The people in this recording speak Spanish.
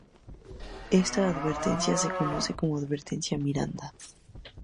Esta advertencia se conoce como Advertencia Miranda.